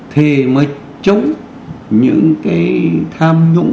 thì mới chống những cái tham nhũng